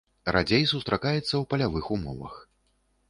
Радзей сустракаецца ў палявых умовах.